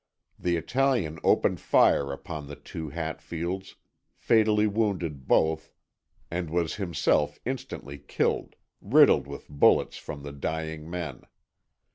The Italian opened fire upon the two Hatfields, fatally wounded both, and was himself instantly killed, riddled with bullets from the dying men.